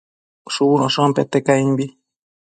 shubunoshon pete caimbi